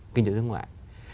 kinh tế đối ngoại